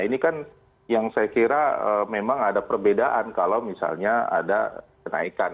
ini kan yang saya kira memang ada perbedaan kalau misalnya ada kenaikan